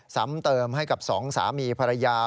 ซ้ำเติมให้กับสองสามีภรรยา